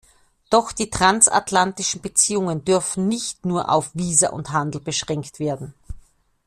Doch die transatlantischen Beziehungen dürfen nicht nur auf Visa und Handel beschränkt werden.